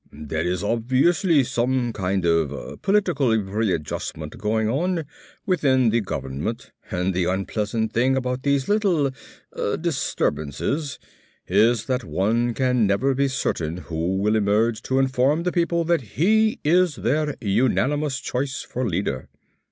"There is obviously some kind of political readjustment going on within the government and the unpleasant thing about these little disturbances is that one can never be certain who will emerge to inform the people that he is their unanimous choice for leader.